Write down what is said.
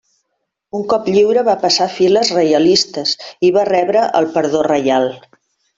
Un cop lliure va passar a files reialistes i va rebre el perdó reial.